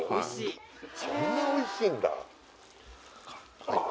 そんなおいしいんだ